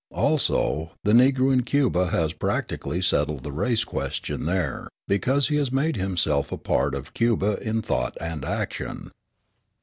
Also, the Negro in Cuba has practically settled the race question there, because he has made himself a part of Cuba in thought and action.